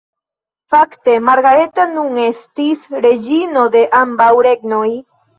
Fakte Margareta nun estis reĝino de ambaŭ regnoj.